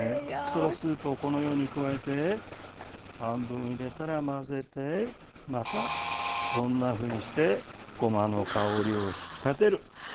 このスープをこのように加えて半分入れたら混ぜてまたこんなふうにしてごまの香りを引き立てる。